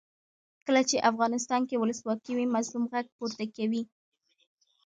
کله چې افغانستان کې ولسواکي وي مظلوم غږ پورته کوي.